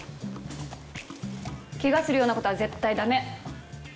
怪我するような事は絶対駄目！